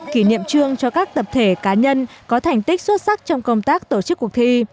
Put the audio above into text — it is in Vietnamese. kỷ niệm trương cho các tập thể cá nhân có thành tích xuất sắc trong công tác tổ chức cuộc thi